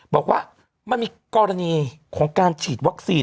บอกว่ามันมีกรณีของการฉีดวัคซีน